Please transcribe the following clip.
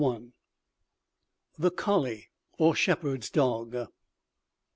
] THE COLLEY, OR SHEPHERD'S DOG.